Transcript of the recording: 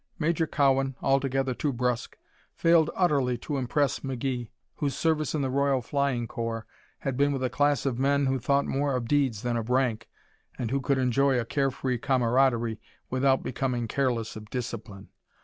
Major Cowan, altogether too brusque, failed utterly to impress McGee, whose service in the Royal Flying Corps had been with a class of men who thought more of deeds than of rank and who could enjoy a care free camaraderie without becoming careless of discipline.